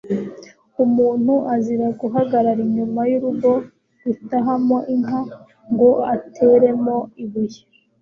Umuntu azira guhagarara inyuma y’urugo rutahamo inka ngo ateremo ibuye,